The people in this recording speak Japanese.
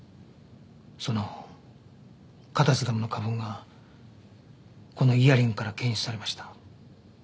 そのカタセタムの花粉がこのイヤリングから検出されました。